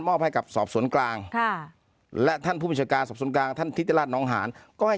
ให้กับสอบสวนกลางค่ะและท่านผู้บัญชาการสอบสวนกลางท่านทิศราชน้องหานก็ให้